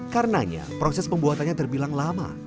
karenanya proses pembuatannya terbilang lama